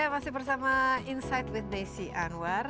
masih bersama insight with desi anwar